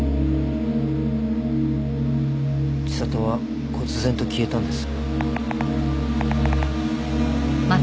知里は忽然と消えたんです。